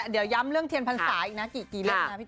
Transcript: เดี๋ยวย้ำเรื่องเทียนภาษาอีกนะ